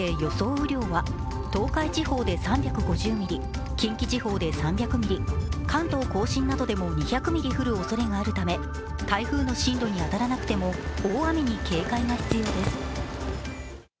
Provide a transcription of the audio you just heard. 雨量は東海地方で３５０ミリ、近畿地方で３００ミリ、関東甲信でも２００ミリ降るおそれがあるため台風の進路に当たらなくても大雨に警戒が必要です。